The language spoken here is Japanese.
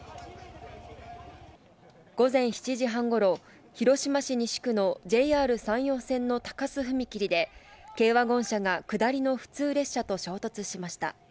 午前７時半頃、広島市西区のＪＲ山陽線の高須踏切で、軽ワゴン車が下りの普通列車と衝突しました。